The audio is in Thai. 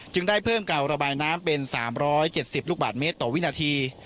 จึงได้เพิ่มเก่าระบายน้ำเป็นสามร้อยเจ็ดสิบลูกบาทเมตรต่อวินาที